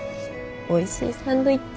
おいしいサンドイッチ。